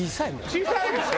小さいでしょ？